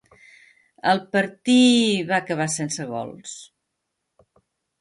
El partir va acabar sense gols.